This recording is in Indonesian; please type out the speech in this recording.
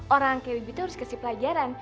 orang kayak bibi tuh harus kasi pelajaran